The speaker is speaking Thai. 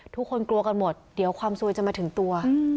ทุกคนกลัวกันหมดเดี๋ยวความซวยจะมาถึงตัว